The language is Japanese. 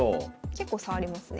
結構差ありますね。